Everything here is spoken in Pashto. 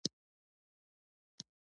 احمد او علي يې په ګمه کې وهي.